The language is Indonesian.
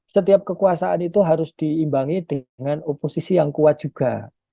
setiap kekuasaan itu harus diimbangi dengan oposisi yang kuat juga